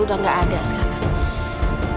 udah gak ada sekarang